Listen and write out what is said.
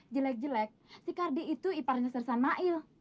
jelek jelek si kardi itu iparnya sersan mail